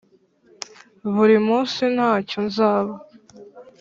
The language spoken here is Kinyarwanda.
buri munsi ntacyo nzaba